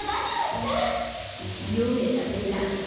読めたでラム。